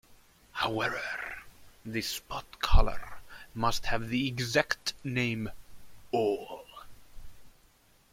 However, the spot color must have the exact name "All".